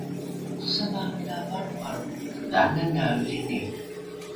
savare la valrovalro dha’ananaelini